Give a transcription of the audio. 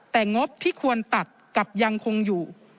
แต่งบที่ควรตัดกับยังคงอยู่